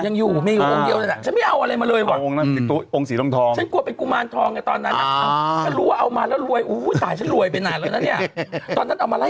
ยังอยู่ไม่อยู่องค์เดียวนั้นอ่ะ